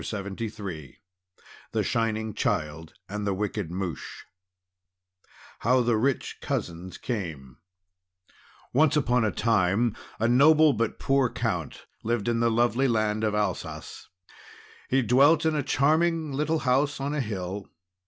Frances Browne THE SHINING CHILD AND THE WICKED MOUCHE HOW THE RICH COUSINS CAME Once upon a time a noble but poor Count lived in the lovely land of Alsace. He dwelt in a charming little house on a hill.